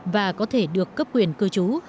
và có thể được cấp quyền cư trú